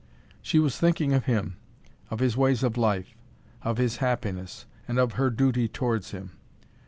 She was thinking of him, of his ways of life, of his happiness, and of her duty towards him.